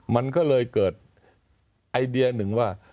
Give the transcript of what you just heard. มันก็เลยเกิดไอเดียหนึ่งว่า